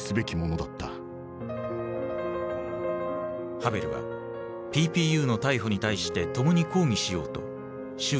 ハヴェルはＰＰＵの逮捕に対して共に抗議しようと周囲に説いて回った。